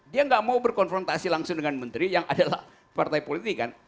dia nggak mau berkonfrontasi langsung dengan menteri yang adalah partai politik kan